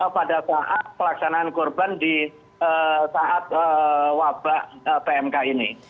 pada saat pelaksanaan korban di saat wabah pmk ini